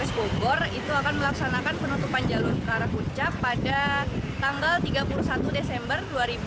satu lintas polis bobor itu akan melaksanakan penutupan jalur ke arah puncak pada tanggal tiga puluh satu desember dua ribu delapan belas